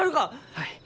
はい。